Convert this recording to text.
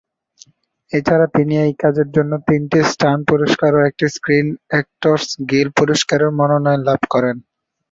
এছাড়া তিনি এই কাজের জন্য তিনটি স্যাটার্ন পুরস্কার ও একটি স্ক্রিন অ্যাক্টরস গিল্ড পুরস্কারের মনোনয়ন লাভ করেন।